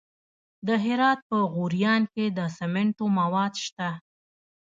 د هرات په غوریان کې د سمنټو مواد شته.